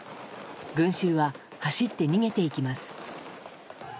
群衆は走って逃げていきます。